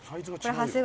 長谷川：